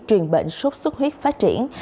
truyền bệnh sốt xuất huyết phát triển